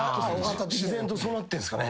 自然とそうなってんすかね。